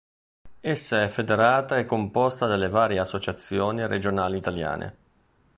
Essa è federata e composta dalle varie associazioni regionali italiane.